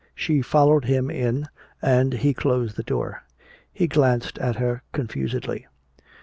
She followed him in and he closed the door. He glanced at her confusedly.